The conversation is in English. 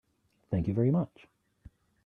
Thank you very much.